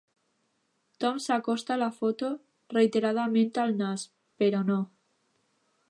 Tom s'acosta la foto reiteradament al nas, però no.